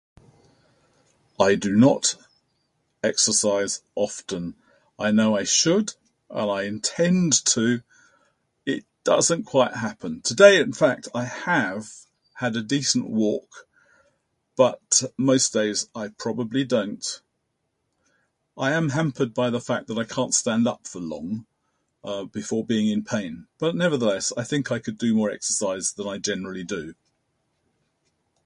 I do not exercise often. I know I should. While I intend to, it doesn't quite happen. Today, in fact, I have had a decent walk, but most days I probably don't. I am hampered by the fact that I can't stand up for long, uh, before being in pain. But nevertheless, I think I could do more exercise than I generally do.